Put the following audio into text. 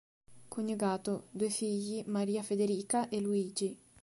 Coniugato, due figli Maria Federica e Luigi.